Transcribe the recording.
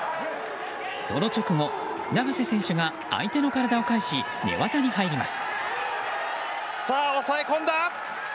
その直後、永瀬選手が相手の体を返し寝技に入ります。